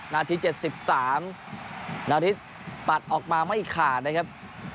นาที๗๓นาริสปัดออกมาไม่ขาดนะครับ